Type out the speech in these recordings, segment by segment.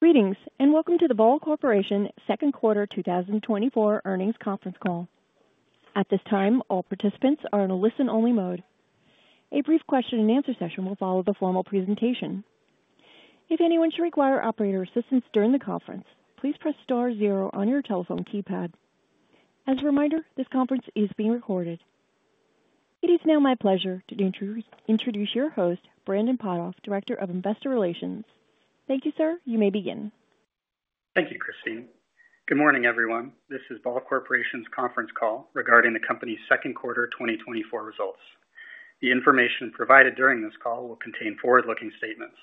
Greetings and welcome to the Ball Corporation Second Quarter 2024 Earnings Conference Call. At this time, all participants are in a listen-only mode. A brief question-and-answer session will follow the formal presentation. If anyone should require operator assistance during the conference, please press star zero on your telephone keypad. As a reminder, this conference is being recorded. It is now my pleasure to introduce your host, Brandon Potthoff, Director of Investor Relations. Thank you, sir. You may begin. Thank you, Christine. Good morning, everyone. This is Ball Corporation's conference call regarding the company's second quarter 2024 results. The information provided during this call will contain forward-looking statements.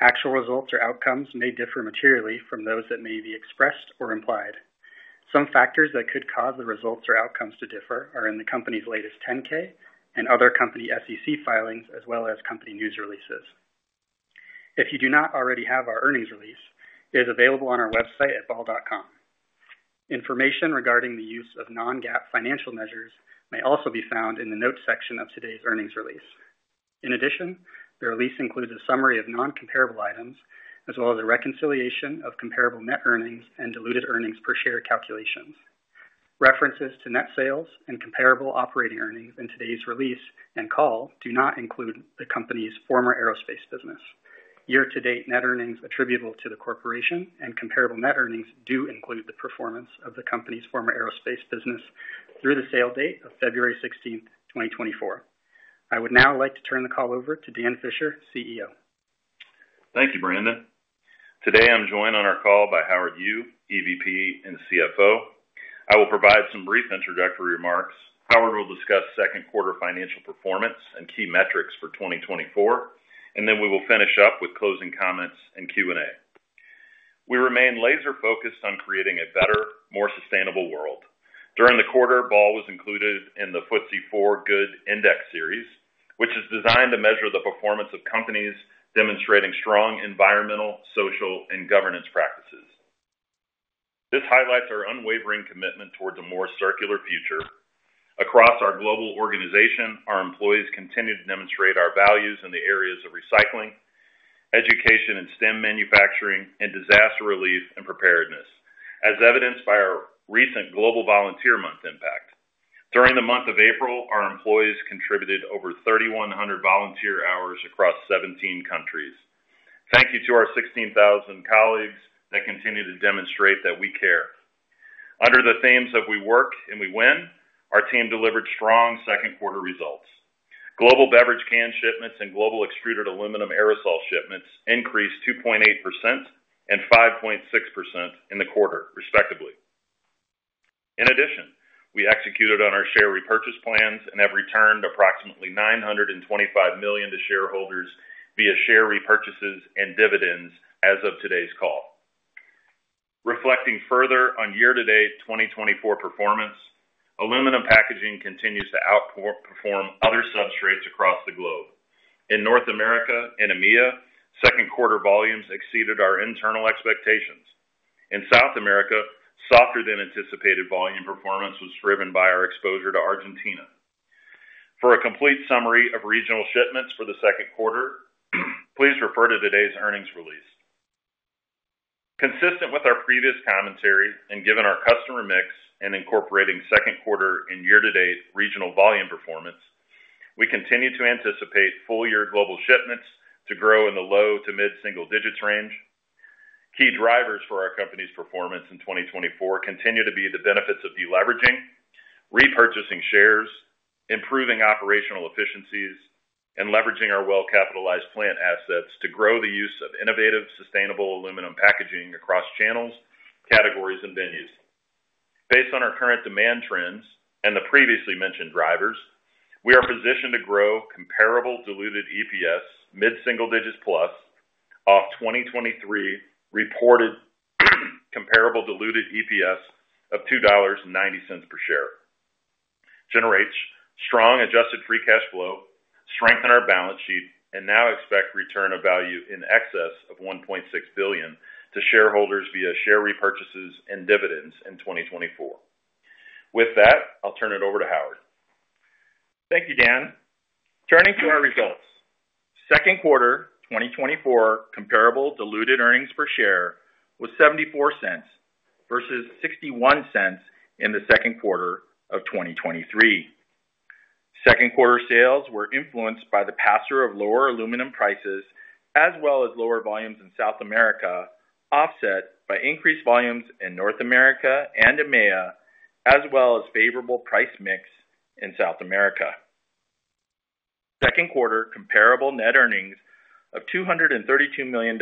Actual results or outcomes may differ materially from those that may be expressed or implied. Some factors that could cause the results or outcomes to differ are in the company's latest 10-K and other company SEC filings, as well as company news releases. If you do not already have our earnings release, it is available on our website at ball.com. Information regarding the use of non-GAAP financial measures may also be found in the notes section of today's earnings release. In addition, the release includes a summary of non-comparable items, as well as a reconciliation of comparable net earnings and diluted earnings per share calculations. References to net sales and comparable operating earnings in today's release and call do not include the company's former aerospace business. Year-to-date net earnings attributable to the corporation and comparable net earnings do include the performance of the company's former aerospace business through the sale date of February 16th, 2024. I would now like to turn the call over to Dan Fisher, CEO. Thank you, Brandon. Today, I'm joined on our call by Howard Yu, EVP and CFO. I will provide some brief introductory remarks. Howard will discuss second quarter financial performance and key metrics for 2024, and then we will finish up with closing comments and Q&A. We remain laser-focused on creating a better, more sustainable world. During the quarter, Ball was included in the FTSE4Good Index Series, which is designed to measure the performance of companies demonstrating strong environmental, social, and governance practices. This highlights our unwavering commitment towards a more circular future. Across our global organization, our employees continue to demonstrate our values in the areas of recycling, education and STEM manufacturing, and disaster relief and preparedness, as evidenced by our recent Global Volunteer Month impact. During the month of April, our employees contributed over 3,100 volunteer hours across 17 countries. Thank you to our 16,000 colleagues that continue to demonstrate that we care. Under the themes of "We work and we win," our team delivered strong second quarter results. Global beverage can shipments and global extruded aluminum aerosol shipments increased 2.8% and 5.6% in the quarter, respectively. In addition, we executed on our share repurchase plans and have returned approximately $925 million to shareholders via share repurchases and dividends as of today's call. Reflecting further on year-to-date 2024 performance, aluminum packaging continues to outperform other substrates across the globe. In North America and EMEA, second quarter volumes exceeded our internal expectations. In South America, softer-than-anticipated volume performance was driven by our exposure to Argentina. For a complete summary of regional shipments for the second quarter, please refer to today's earnings release. Consistent with our previous commentary and given our customer mix and incorporating second quarter and year-to-date regional volume performance, we continue to anticipate full-year global shipments to grow in the low to mid-single digits range. Key drivers for our company's performance in 2024 continue to be the benefits of deleveraging, repurchasing shares, improving operational efficiencies, and leveraging our well-capitalized plant assets to grow the use of innovative, sustainable aluminum packaging across channels, categories, and venues. Based on our current demand trends and the previously mentioned drivers, we are positioned to grow comparable diluted EPS mid-single digits plus off 2023 reported comparable diluted EPS of $2.90 per share, generate strong adjusted free cash flow, strengthen our balance sheet, and now expect return of value in excess of $1.6 billion to shareholders via share repurchases and dividends in 2024. With that, I'll turn it over to Howard. Thank you, Dan. Turning to our results, second quarter 2024 comparable diluted earnings per share was $0.74 versus $0.61 in the second quarter of 2023. Second quarter sales were influenced by the pass-through of lower aluminum prices, as well as lower volumes in South America, offset by increased volumes in North America and EMEA, as well as favorable price mix in South America. Second quarter comparable net earnings of $232 million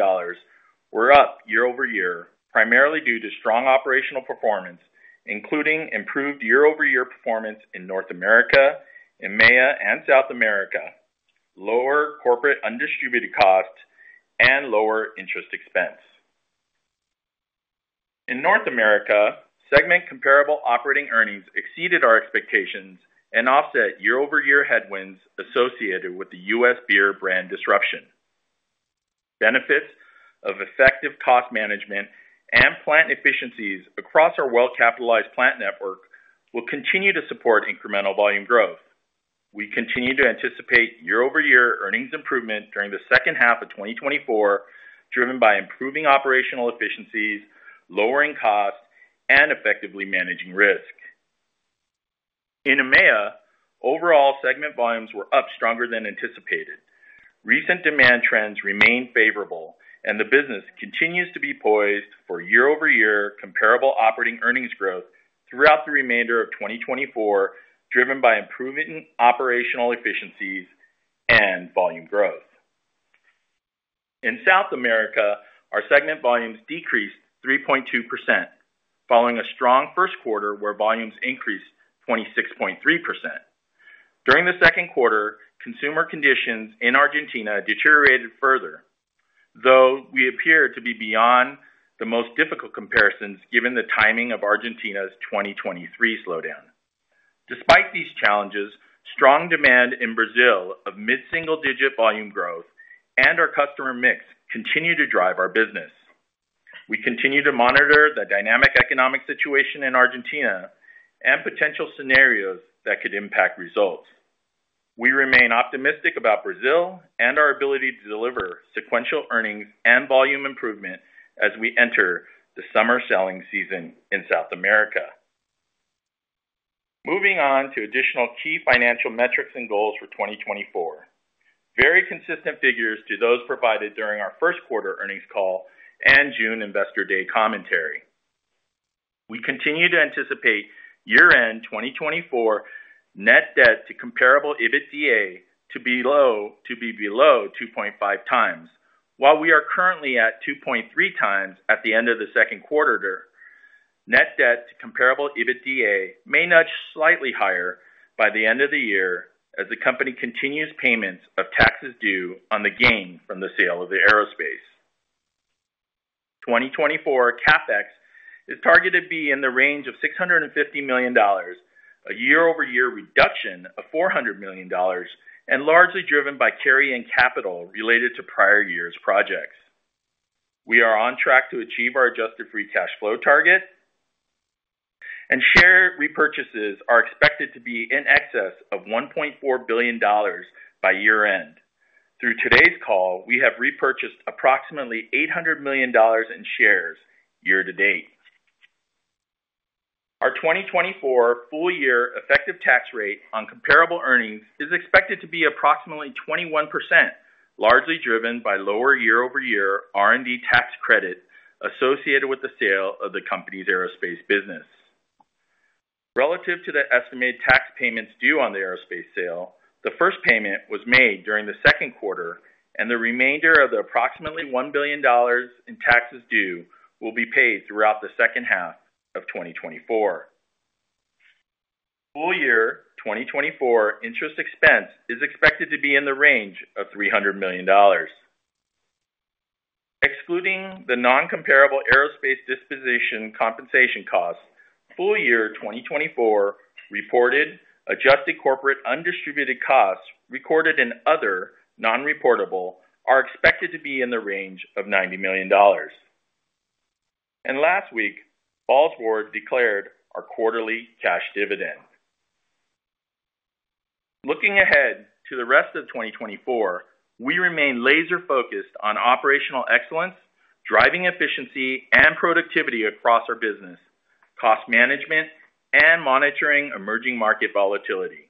were up year-over-year, primarily due to strong operational performance, including improved year-over-year performance in North America, EMEA, and South America, lower corporate undistributed costs, and lower interest expense. In North America, segment comparable operating earnings exceeded our expectations and offset year-over-year headwinds associated with the U.S. beer brand disruption. Benefits of effective cost management and plant efficiencies across our well-capitalized plant network will continue to support incremental volume growth. We continue to anticipate year-over-year earnings improvement during the second half of 2024, driven by improving operational efficiencies, lowering costs, and effectively managing risk. In EMEA, overall segment volumes were up stronger than anticipated. Recent demand trends remain favorable, and the business continues to be poised for year-over-year comparable operating earnings growth throughout the remainder of 2024, driven by improving operational efficiencies and volume growth. In South America, our segment volumes decreased 3.2%, following a strong first quarter where volumes increased 26.3%. During the second quarter, consumer conditions in Argentina deteriorated further, though we appear to be beyond the most difficult comparisons given the timing of Argentina's 2023 slowdown. Despite these challenges, strong demand in Brazil of mid-single digit volume growth and our customer mix continue to drive our business. We continue to monitor the dynamic economic situation in Argentina and potential scenarios that could impact results. We remain optimistic about Brazil and our ability to deliver sequential earnings and volume improvement as we enter the summer selling season in South America. Moving on to additional key financial metrics and goals for 2024. Very consistent figures to those provided during our first quarter earnings call and June Investor Day commentary. We continue to anticipate year-end 2024 net debt to comparable EBITDA to be below 2.5x, while we are currently at 2.3x at the end of the second quarter. Net debt to comparable EBITDA may nudge slightly higher by the end of the year as the company continues payments of taxes due on the gain from the sale of the aerospace. 2024 CapEx is targeted to be in the range of $650 million, a year-over-year reduction of $400 million, and largely driven by carry-in capital related to prior year's projects. We are on track to achieve our Adjusted Free Cash Flow target, and share repurchases are expected to be in excess of $1.4 billion by year-end. Through today's call, we have repurchased approximately $800 million in shares year-to-date. Our 2024 full-year Effective Tax Rate on comparable earnings is expected to be approximately 21%, largely driven by lower year-over-year R&D tax credit associated with the sale of the company's aerospace business. Relative to the estimated tax payments due on the aerospace sale, the first payment was made during the second quarter, and the remainder of the approximately $1 billion in taxes due will be paid throughout the second half of 2024. Full-year 2024 interest expense is expected to be in the range of $300 million. Excluding the non-comparable aerospace disposition compensation costs, full-year 2024 reported adjusted corporate undistributed costs recorded in other non-reportable are expected to be in the range of $90 million. And last week, Ball's board declared our quarterly cash dividend. Looking ahead to the rest of 2024, we remain laser-focused on operational excellence, driving efficiency and productivity across our business, cost management, and monitoring emerging market volatility.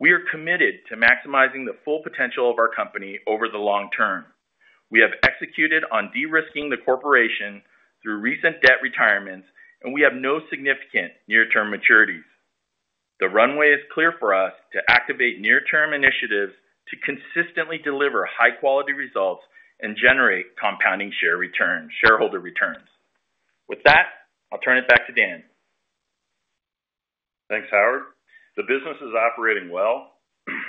We are committed to maximizing the full potential of our company over the long term. We have executed on de-risking the corporation through recent debt retirements, and we have no significant near-term maturities. The runway is clear for us to activate near-term initiatives to consistently deliver high-quality results and generate compounding shareholder returns. With that, I'll turn it back to Dan. Thanks, Howard. The business is operating well,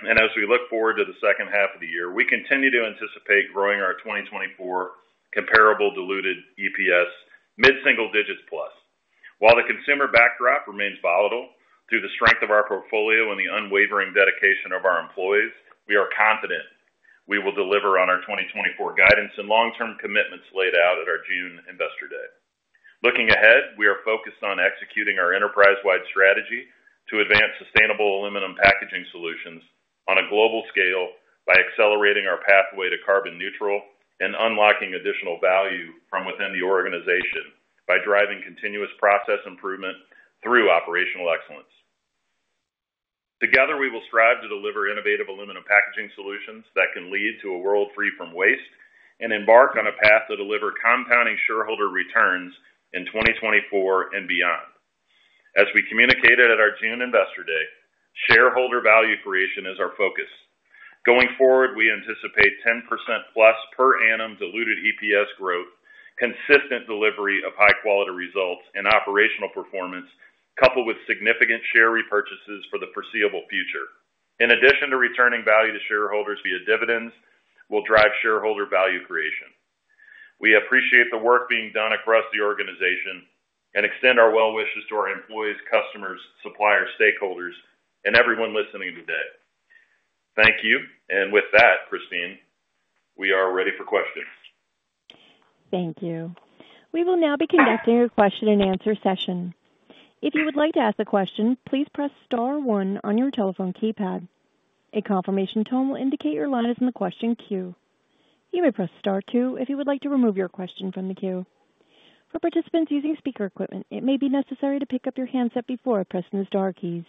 and as we look forward to the second half of the year, we continue to anticipate growing our 2024 comparable diluted EPS mid-single digits plus. While the consumer backdrop remains volatile through the strength of our portfolio and the unwavering dedication of our employees, we are confident we will deliver on our 2024 guidance and long-term commitments laid out at our June Investor Day. Looking ahead, we are focused on executing our enterprise-wide strategy to advance sustainable aluminum packaging solutions on a global scale by accelerating our pathway to carbon neutral and unlocking additional value from within the organization by driving continuous process improvement through operational excellence. Together, we will strive to deliver innovative aluminum packaging solutions that can lead to a world free from waste and embark on a path to deliver compounding shareholder returns in 2024 and beyond. As we communicated at our June Investor Day, shareholder value creation is our focus. Going forward, we anticipate 10%+ per annum diluted EPS growth, consistent delivery of high-quality results, and operational performance coupled with significant share repurchases for the foreseeable future. In addition to returning value to shareholders via dividends, we'll drive shareholder value creation. We appreciate the work being done across the organization and extend our well wishes to our employees, customers, suppliers, stakeholders, and everyone listening today. Thank you, and with that, Christine, we are ready for questions. Thank you. We will now be conducting a question-and-answer session. If you would like to ask a question, please press star one on your telephone keypad. A confirmation tone will indicate your line is in the question queue. You may press star two if you would like to remove your question from the queue. For participants using speaker equipment, it may be necessary to pick up your handset before pressing the star keys.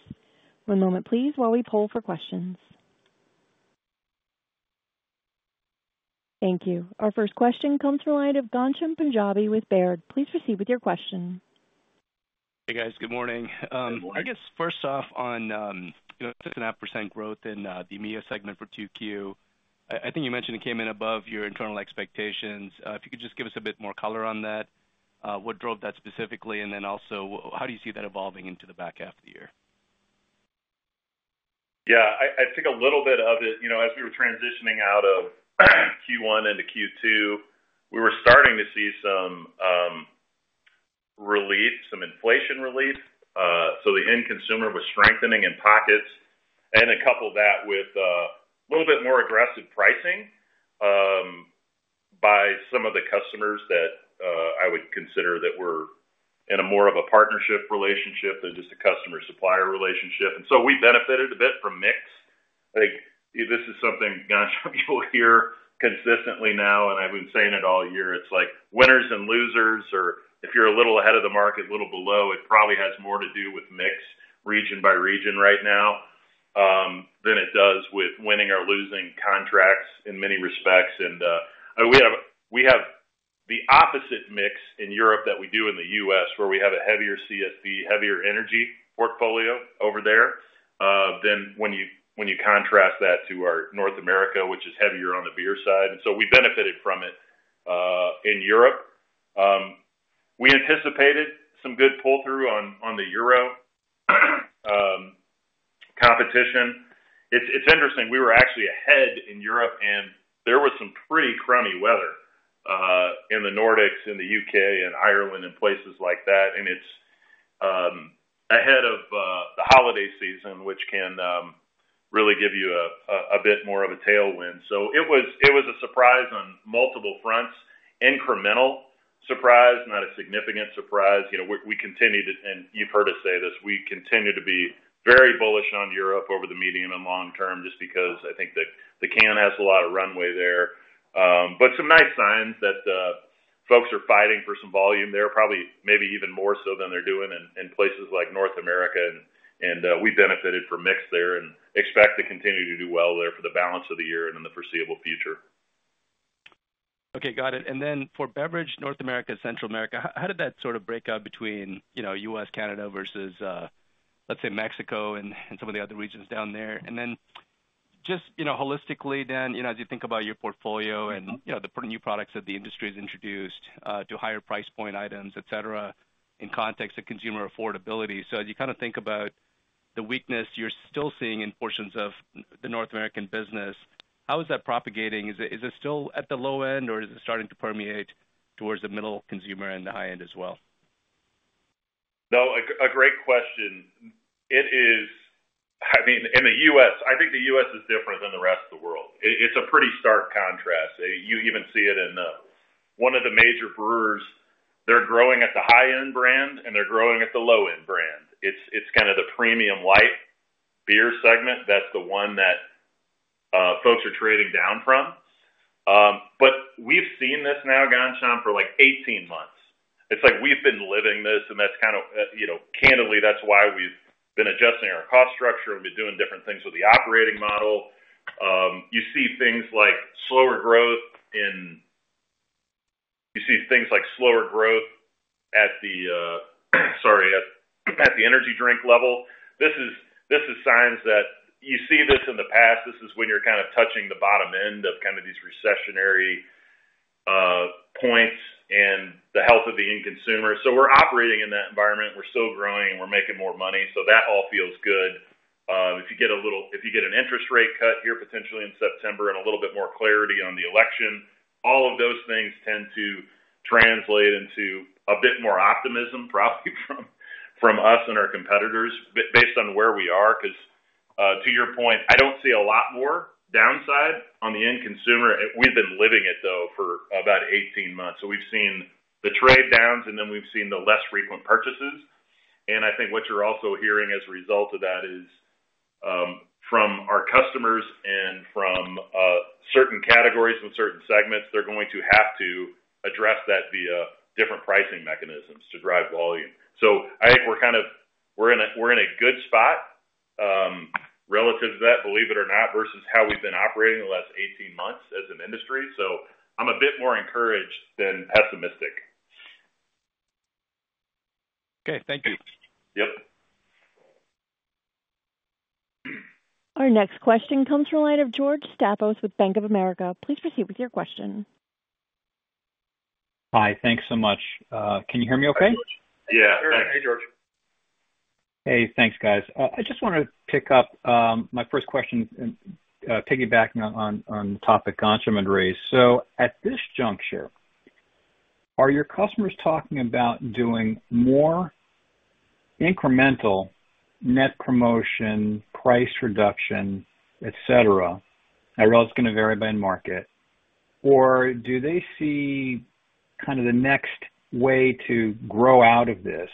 One moment, please, while we poll for questions. Thank you. Our first question comes from the line of Ghansham Panjabi with Baird. Please proceed with your question. Hey, guys. Good morning. I guess first off on the 2.5% growth in the EMEA segment for 2Q, I think you mentioned it came in above your internal expectations. If you could just give us a bit more color on that, what drove that specifically, and then also how do you see that evolving into the back half of the year? Yeah, I think a little bit of it, as we were transitioning out of Q1 into Q2, we were starting to see some relief, some inflation relief. So the end consumer was strengthening in pockets, and then couple that with a little bit more aggressive pricing by some of the customers that I would consider that we're in more of a partnership relationship than just a customer-supplier relationship. And so we benefited a bit from mix. This is something Ghansham people hear consistently now, and I've been saying it all year. It's like winners and losers, or if you're a little ahead of the market, a little below, it probably has more to do with mix region by region right now than it does with winning or losing contracts in many respects. We have the opposite mix in Europe that we do in the U.S., where we have a heavier CSD, heavier energy portfolio over there than when you contrast that to our North America, which is heavier on the beer side. So we benefited from it in Europe. We anticipated some good pull-through on the euro competition. It's interesting. We were actually ahead in Europe, and there was some pretty crummy weather in the Nordics, in the U.K., and Ireland, and places like that. It's ahead of the holiday season, which can really give you a bit more of a tailwind. So it was a surprise on multiple fronts, incremental surprise, not a significant surprise. We continued to, and you've heard us say this, we continue to be very bullish on Europe over the medium and long term just because I think the can has a lot of runway there. But some nice signs that folks are fighting for some volume there, probably maybe even more so than they're doing in places like North America. And we benefited from mix there and expect to continue to do well there for the balance of the year and in the foreseeable future. Okay, got it. And then for beverage, North America and Central America, how did that sort of break out between U.S., Canada versus, let's say, Mexico and some of the other regions down there? And then just holistically, Dan, as you think about your portfolio and the new products that the industry has introduced to higher price point items, etc., in context of consumer affordability. So as you kind of think about the weakness you're still seeing in portions of the North American business, how is that propagating? Is it still at the low end, or is it starting to permeate towards the middle consumer and the high end as well? No, a great question. I mean, in the U.S., I think the U.S. is different than the rest of the world. It's a pretty stark contrast. You even see it in one of the major brewers. They're growing at the high-end brand, and they're growing at the low-end brand. It's kind of the premium light beer segment. That's the one that folks are trading down from. But we've seen this now, Ghansham, for like 18 months. It's like we've been living this, and that's kind of candidly, that's why we've been adjusting our cost structure and been doing different things with the operating model. You see things like slower growth at the, sorry, at the energy drink level. This is signs that you see this in the past. This is when you're kind of touching the bottom end of kind of these recessionary points and the health of the end consumer. So we're operating in that environment. We're still growing, and we're making more money. So that all feels good. If you get a little, if you get an interest rate cut here potentially in September and a little bit more clarity on the election, all of those things tend to translate into a bit more optimism, probably from us and our competitors based on where we are. Because to your point, I don't see a lot more downside on the end consumer. We've been living it, though, for about 18 months. So we've seen the trade downs, and then we've seen the less frequent purchases. I think what you're also hearing as a result of that is from our customers and from certain categories and certain segments, they're going to have to address that via different pricing mechanisms to drive volume. I think we're kind of in a good spot relative to that, believe it or not, versus how we've been operating the last 18 months as an industry. I'm a bit more encouraged than pessimistic. Okay, thank you. Yep. Our next question comes from the line of George Staphos with Bank of America. Please proceed with your question. Hi, thanks so much. Can you hear me okay? Yeah. Hey, George. Hey, thanks, guys. I just want to pick up my first question, piggybacking on the topic, Ghansham and Ray. So at this juncture, are your customers talking about doing more incremental net promotion, price reduction, etc.? I realize it's going to vary by market. Or do they see kind of the next way to grow out of this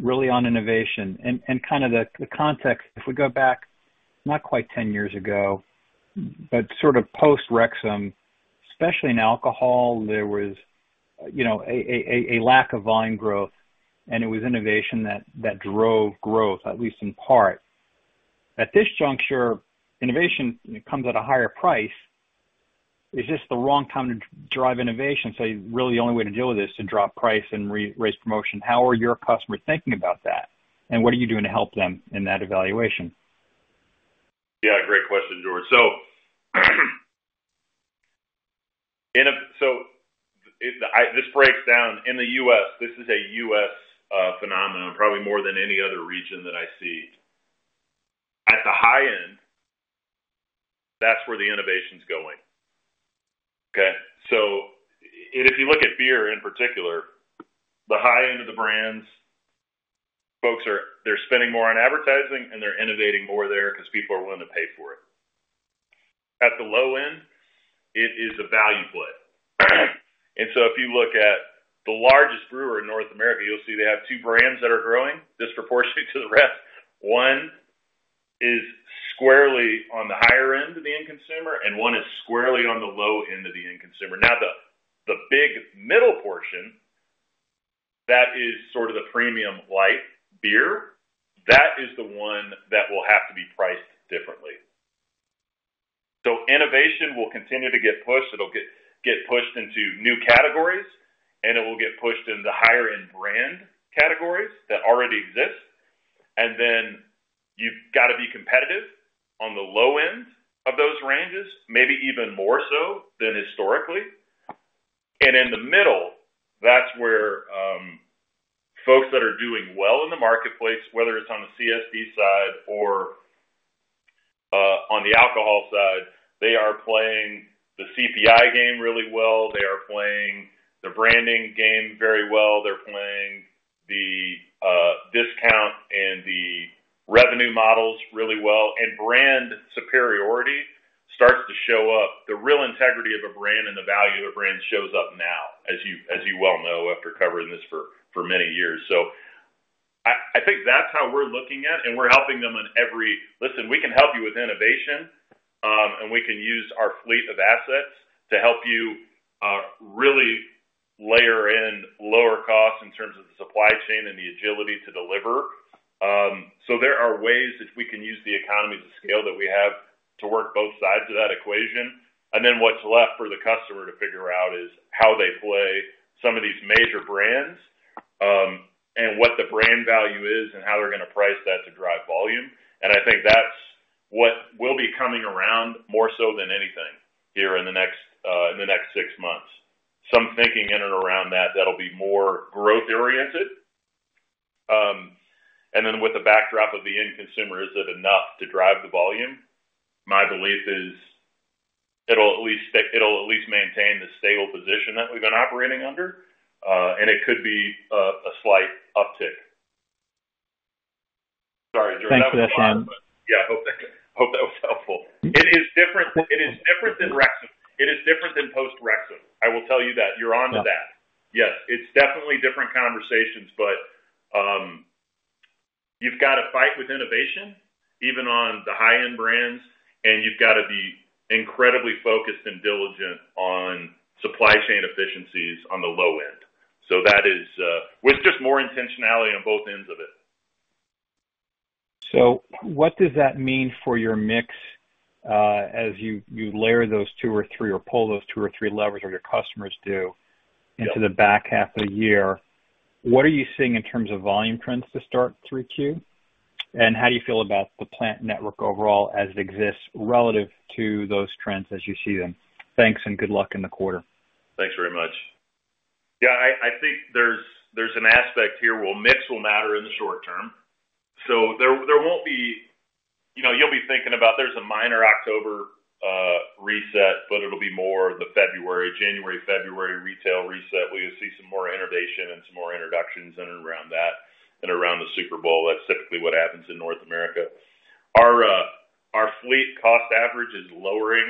really on innovation? And kind of the context, if we go back not quite 10 years ago, but sort of post-Rexam, especially in alcohol, there was a lack of volume growth, and it was innovation that drove growth, at least in part. At this juncture, innovation comes at a higher price. Is this the wrong time to drive innovation? So really the only way to deal with this is to drop price and raise promotion. How are your customers thinking about that? What are you doing to help them in that evaluation? Yeah, great question, George. So this breaks down in the U.S. This is a U.S. phenomenon, probably more than any other region that I see. At the high end, that's where the innovation's going. Okay? So if you look at beer in particular, the high end of the brands, folks, they're spending more on advertising, and they're innovating more there because people are willing to pay for it. At the low end, it is a value play. And so if you look at the largest brewer in North America, you'll see they have two brands that are growing disproportionately to the rest. One is squarely on the higher end of the end consumer, and one is squarely on the low end of the end consumer. Now, the big middle portion that is sort of the premium light beer, that is the one that will have to be priced differently. Innovation will continue to get pushed. It'll get pushed into new categories, and it will get pushed in the higher-end brand categories that already exist. You've got to be competitive on the low end of those ranges, maybe even more so than historically. In the middle, that's where folks that are doing well in the marketplace, whether it's on the CSD side or on the alcohol side, they are playing the CPI game really well. They are playing the branding game very well. They're playing the discount and the revenue models really well. Brand superiority starts to show up. The real integrity of a brand and the value of a brand shows up now, as you well know after covering this for many years. So I think that's how we're looking at it, and we're helping them on every level we can help you with innovation, and we can use our fleet of assets to help you really layer in lower costs in terms of the supply chain and the agility to deliver. So there are ways that we can use the economies of scale that we have to work both sides of that equation. And then what's left for the customer to figure out is how they play some of these major brands and what the brand value is and how they're going to price that to drive volume. And I think that's what will be coming around more so than anything here in the next six months. Some thinking in and around that, that'll be more growth-oriented. And then with the backdrop of the end consumer, is it enough to drive the volume? My belief is it'll at least maintain the stable position that we've been operating under, and it could be a slight uptick. Sorry, George, that was a lot. Thanks for that, Dan. Yeah, hope that was helpful. It is different than Rexam. It is different than post-Rexam. I will tell you that. You're on to that. Yes, it's definitely different conversations, but you've got to fight with innovation, even on the high-end brands, and you've got to be incredibly focused and diligent on supply chain efficiencies on the low end. So that is with just more intentionality on both ends of it. So what does that mean for your mix as you layer those two or three or pull those two or three levers or your customers do into the back half of the year? What are you seeing in terms of volume trends to start Q3? And how do you feel about the plant network overall as it exists relative to those trends as you see them? Thanks and good luck in the quarter. Thanks very much. Yeah, I think there's an aspect here where mix will matter in the short term. So there won't be, you'll be thinking about there's a minor October reset, but it'll be more the February, January, February retail reset. We'll see some more innovation and some more introductions in and around that and around the Super Bowl. That's typically what happens in North America. Our fleet cost average is lowering.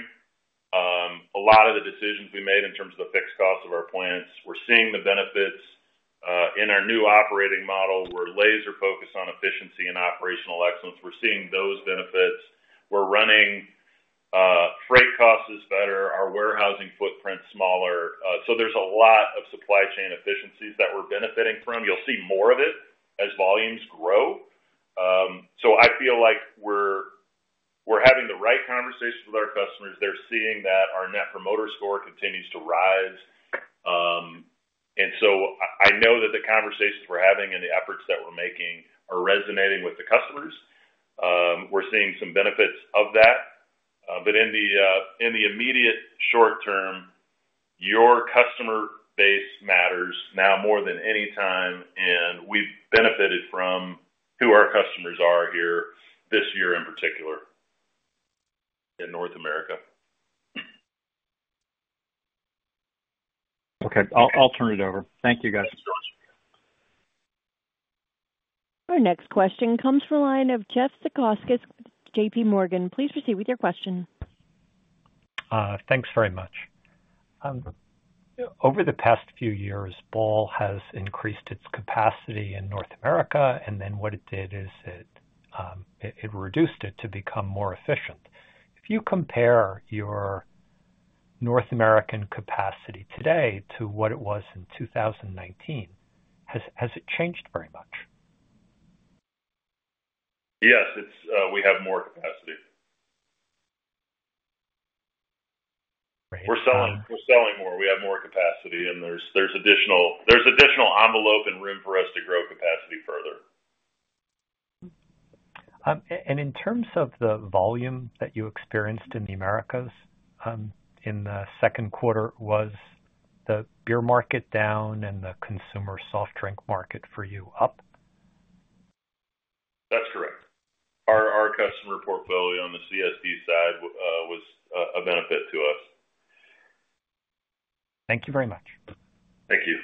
A lot of the decisions we made in terms of the fixed cost of our plants, we're seeing the benefits in our new operating model. We're laser-focused on efficiency and operational excellence. We're seeing those benefits. We're running freight costs better. Our warehousing footprint's smaller. So there's a lot of supply chain efficiencies that we're benefiting from. You'll see more of it as volumes grow. So I feel like we're having the right conversations with our customers. They're seeing that our Net Promoter Score continues to rise. So I know that the conversations we're having and the efforts that we're making are resonating with the customers. We're seeing some benefits of that. But in the immediate short term, your customer base matters now more than any time, and we've benefited from who our customers are here this year in particular in North America. Okay, I'll turn it over. Thank you, guys. Our next question comes from the line of Jeff Zekauskas, JPMorgan. Please proceed with your question. Thanks very much. Over the past few years, Ball has increased its capacity in North America. And then what it did is it reduced it to become more efficient. If you compare your North American capacity today to what it was in 2019, has it changed very much? Yes, we have more capacity. We're selling more. We have more capacity, and there's additional envelope and room for us to grow capacity further. In terms of the volume that you experienced in the Americas in the second quarter, was the beer market down and the consumer soft drink market for you up? That's correct. Our customer portfolio on the CSD side was a benefit to us. Thank you very much. Thank you.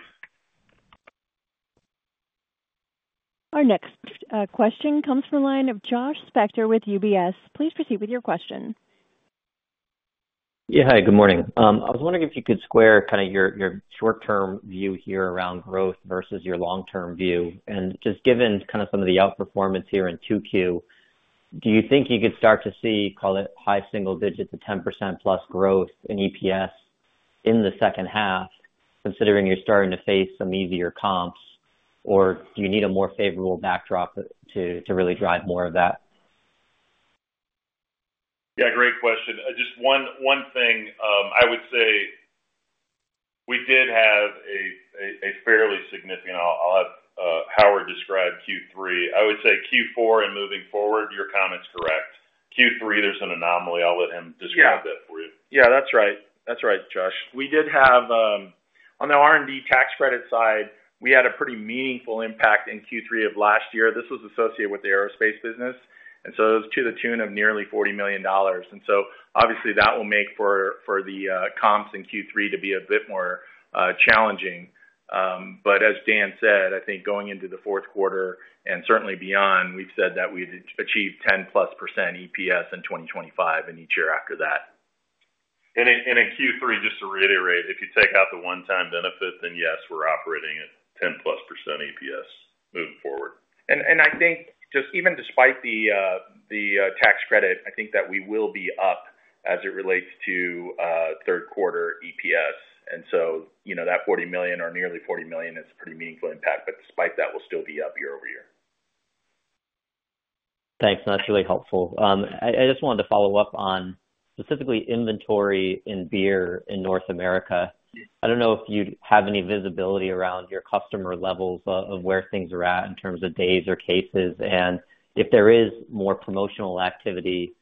Our next question comes from the line of Josh Spector with UBS. Please proceed with your question. Yeah, hi, good morning. I was wondering if you could square kind of your short-term view here around growth versus your long-term view. And just given kind of some of the outperformance here in Q2, do you think you could start to see, call it high single digits, a 10%+ growth in EPS in the second half, considering you're starting to face some easier comps, or do you need a more favorable backdrop to really drive more of that? Yeah, great question. Just one thing I would say, we did have a fairly significant. I'll have Howard describe Q3. I would say Q4 and moving forward, your comment's correct. Q3, there's an anomaly. I'll let him describe that for you. Yeah, that's right. That's right, Josh. We did have on the R&D tax credit side, we had a pretty meaningful impact in Q3 of last year. This was associated with the aerospace business. And so it was to the tune of nearly $40 million. And so obviously, that will make for the comps in Q3 to be a bit more challenging. But as Dan said, I think going into the fourth quarter and certainly beyond, we've said that we've achieved 10%+ EPS in 2025 and each year after that. In Q3, just to reiterate, if you take out the one-time benefit, then yes, we're operating at 10%+ EPS moving forward. I think just even despite the tax credit, I think that we will be up as it relates to third quarter EPS. So that $40 million or nearly $40 million is a pretty meaningful impact. Despite that, we'll still be up year-over-year. Thanks. That's really helpful. I just wanted to follow up on specifically inventory in beer in North America. I don't know if you have any visibility around your customer levels of where things are at in terms of days or cases. If there is more promotional activity,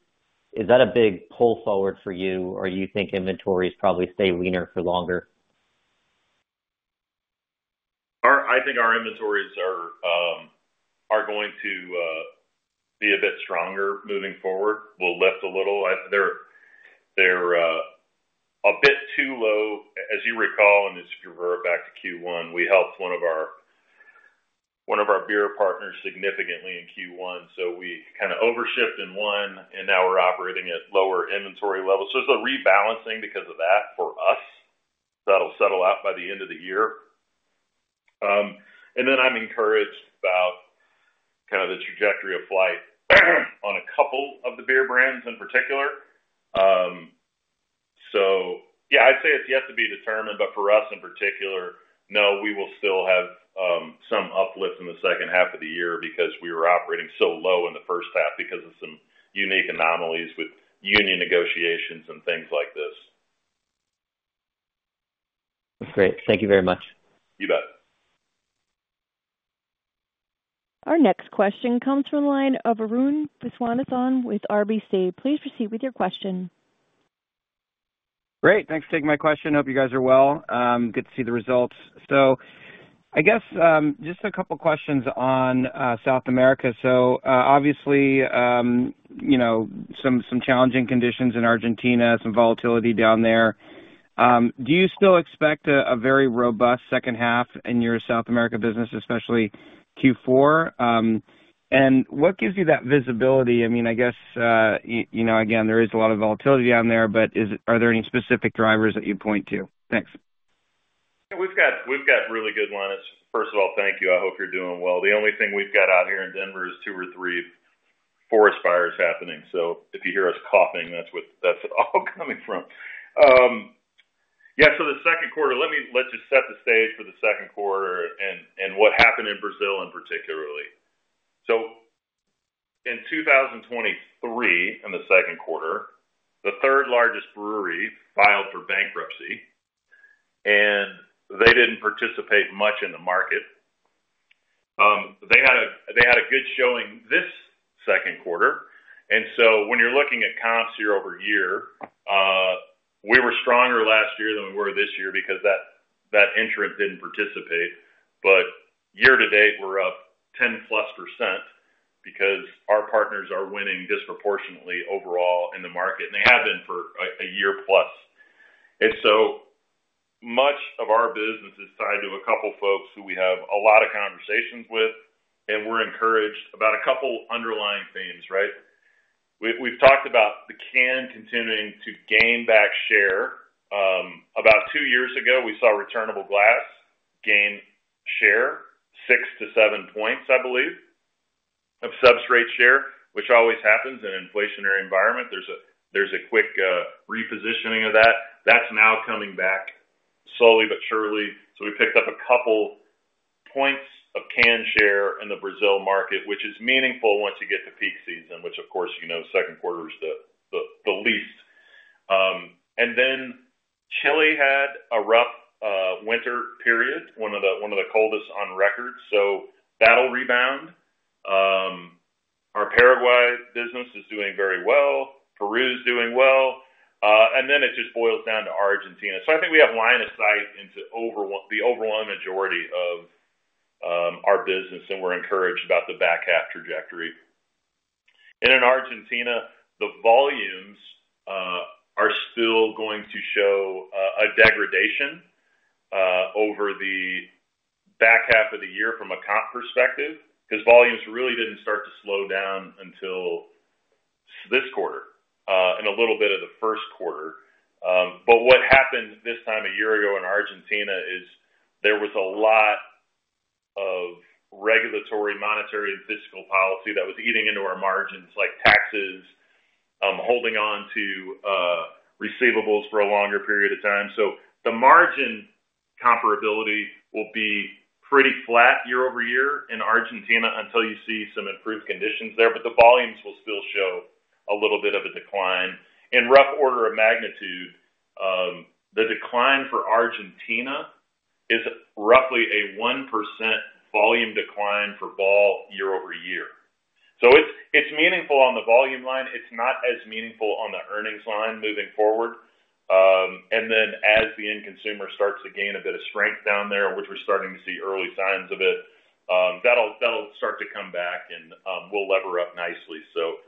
is that a big pull forward for you, or do you think inventories probably stay leaner for longer? I think our inventories are going to be a bit stronger moving forward. We'll lift a little. They're a bit too low. As you recall, and this is referring back to Q1, we helped one of our beer partners significantly in Q1. So we kind of overshifted in one, and now we're operating at lower inventory levels. So it's a rebalancing because of that for us. That'll settle out by the end of the year. And then I'm encouraged about kind of the trajectory of flight on a couple of the beer brands in particular. So yeah, I'd say it's yet to be determined. But for us in particular, no, we will still have some uplift in the second half of the year because we were operating so low in the first half because of some unique anomalies with union negotiations and things like this. That's great. Thank you very much. You bet. Our next question comes from the line of Arun Viswanathan with RBC. Please proceed with your question. Great. Thanks for taking my question. Hope you guys are well. Good to see the results. So I guess just a couple of questions on South America. So obviously, some challenging conditions in Argentina, some volatility down there. Do you still expect a very robust second half in your South America business, especially Q4? And what gives you that visibility? I mean, I guess, again, there is a lot of volatility down there, but are there any specific drivers that you point to? Thanks. We've got really good ones. First of all, thank you. I hope you're doing well. The only thing we've got out here in Denver is two or three forest fires happening. So if you hear us coughing, that's what that's all coming from. Yeah, so the second quarter, let me just set the stage for the second quarter and what happened in Brazil in particular. So in 2023, in the second quarter, the third largest brewery filed for bankruptcy, and they didn't participate much in the market. They had a good showing this second quarter. And so when you're looking at comps year-over-year, we were stronger last year than we were this year because that entrant didn't participate. But year-to-date, we're up 10%+ because our partners are winning disproportionately overall in the market, and they have been for a year plus. So much of our business is tied to a couple of folks who we have a lot of conversations with, and we're encouraged about a couple of underlying themes, right? We've talked about the can continuing to gain back share. About two years ago, we saw returnable glass gain share, 6-7 points, I believe, of substrate share, which always happens in an inflationary environment. There's a quick repositioning of that. That's now coming back slowly but surely. So we picked up a couple points of can share in the Brazil market, which is meaningful once you get to peak season, which, of course, you know, second quarter is the least. And then Chile had a rough winter period, one of the coldest on record. So that'll rebound. Our Paraguay business is doing very well. Peru is doing well. And then it just boils down to Argentina. I think we have line of sight into the overwhelming majority of our business, and we're encouraged about the back half trajectory. In Argentina, the volumes are still going to show a degradation over the back half of the year from a comp perspective because volumes really didn't start to slow down until this quarter and a little bit of the first quarter. What happened this time a year ago in Argentina is there was a lot of regulatory, monetary, and fiscal policy that was eating into our margins, like taxes, holding on to receivables for a longer period of time. The margin comparability will be pretty flat year over year in Argentina until you see some improved conditions there. The volumes will still show a little bit of a decline. In rough order of magnitude, the decline for Argentina is roughly a 1% volume decline for Ball year-over-year. So it's meaningful on the volume line. It's not as meaningful on the earnings line moving forward. And then as the end consumer starts to gain a bit of strength down there, which we're starting to see early signs of it, that'll start to come back, and we'll lever up nicely. So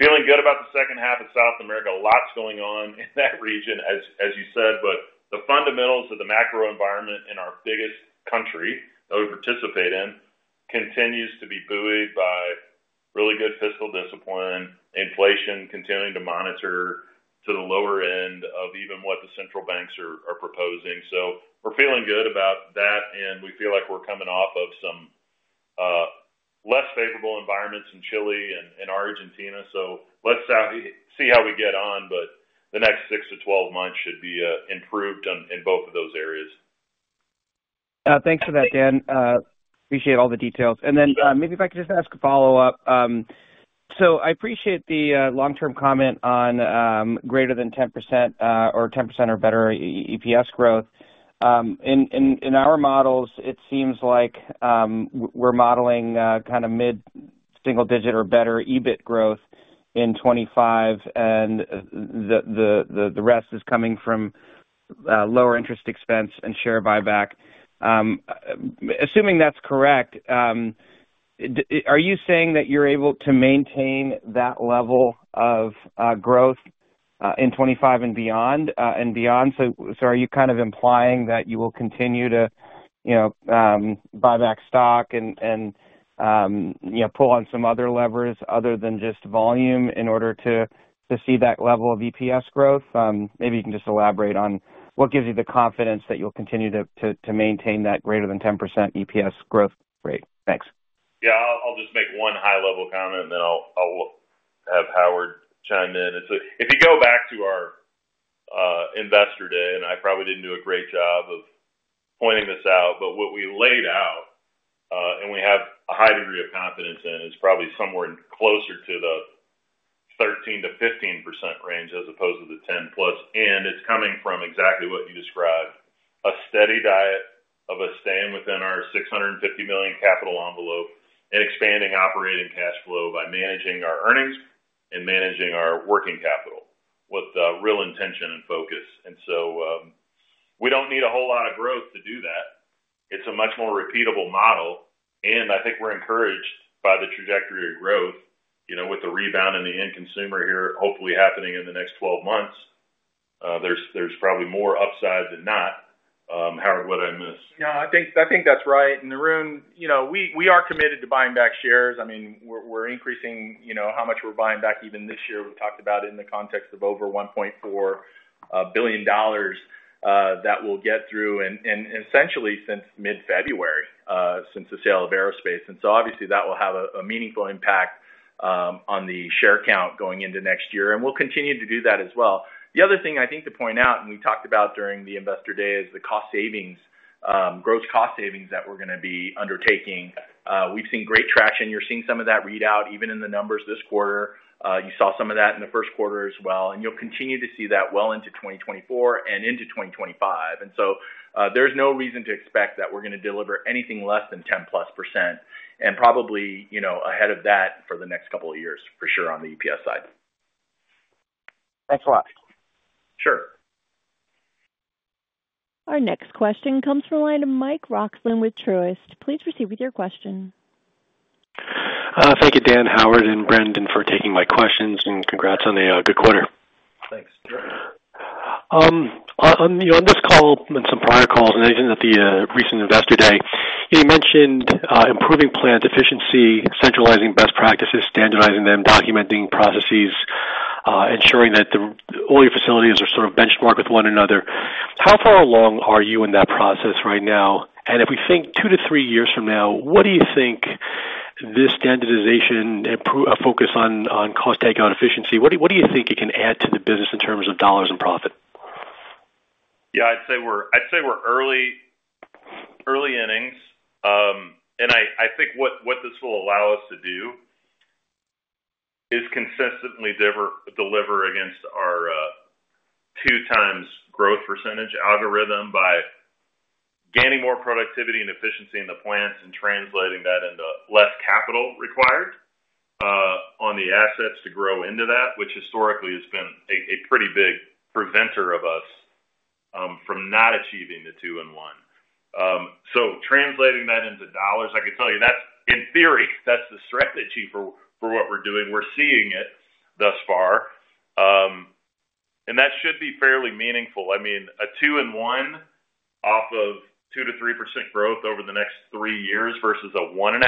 feeling good about the second half of South America, lots going on in that region, as you said. But the fundamentals of the macro environment in our biggest country that we participate in continues to be buoyed by really good fiscal discipline, inflation continuing to monitor to the lower end of even what the central banks are proposing. So we're feeling good about that, and we feel like we're coming off of some less favorable environments in Chile and Argentina. So let's see how we get on. But the next 6-12 months should be improved in both of those areas. Thanks for that, Dan. Appreciate all the details. And then maybe if I could just ask a follow-up. So I appreciate the long-term comment on greater than 10% or 10% or better EPS growth. In our models, it seems like we're modeling kind of mid-single digit or better EBIT growth in 2025, and the rest is coming from lower interest expense and share buyback. Assuming that's correct, are you saying that you're able to maintain that level of growth in 2025 and beyond? And beyond, so are you kind of implying that you will continue to buy back stock and pull on some other levers other than just volume in order to see that level of EPS growth? Maybe you can just elaborate on what gives you the confidence that you'll continue to maintain that greater than 10% EPS growth rate? Thanks. Yeah, I'll just make one high-level comment, and then I'll have Howard chime in. If you go back to our investor day, and I probably didn't do a great job of pointing this out, but what we laid out and we have a high degree of confidence in is probably somewhere closer to the 13%-15% range as opposed to the 10%+. And it's coming from exactly what you described: a steady diet of us staying within our $650 million capital envelope and expanding operating cash flow by managing our earnings and managing our working capital with real intention and focus. And so we don't need a whole lot of growth to do that. It's a much more repeatable model. And I think we're encouraged by the trajectory of growth with the rebound in the end consumer here, hopefully happening in the next 12 months. There's probably more upside than not. Howard, what I missed? Yeah, I think that's right. And Arun, we are committed to buying back shares. I mean, we're increasing how much we're buying back even this year. We've talked about it in the context of over $1.4 billion that we'll get through essentially since mid-February, since the sale of aerospace. And so obviously, that will have a meaningful impact on the share count going into next year. And we'll continue to do that as well. The other thing I think to point out, and we talked about during the investor day, is the cost savings, gross cost savings that we're going to be undertaking. We've seen great traction. You're seeing some of that readout even in the numbers this quarter. You saw some of that in the first quarter as well. And you'll continue to see that well into 2024 and into 2025. And so there's no reason to expect that we're going to deliver anything less than 10%+ and probably ahead of that for the next couple of years for sure on the EPS side. Thanks a lot. Sure. Our next question comes from the line of Mike Roxland with Truist. Please proceed with your question. Thank you, Dan, Howard, and Brandon for taking my questions. Congrats on a good quarter. Thanks. On this call and some prior calls and even at the recent investor day, you mentioned improving plant efficiency, centralizing best practices, standardizing them, documenting processes, ensuring that all your facilities are sort of benchmarked with one another. How far along are you in that process right now? And if we think two to three years from now, what do you think this standardization and focus on cost takeout efficiency, what do you think it can add to the business in terms of dollars and profit? Yeah, I'd say we're early innings. And I think what this will allow us to do is consistently deliver against our 2x growth percentage algorithm by gaining more productivity and efficiency in the plants and translating that into less capital required on the assets to grow into that, which historically has been a pretty big preventer of us from not achieving the two-to-one. So translating that into dollars, I could tell you that's in theory, that's the strategy for what we're doing. We're seeing it thus far. And that should be fairly meaningful. I mean, a two-to-one off of 2%-3% growth over the next three years versus a 1.5-1,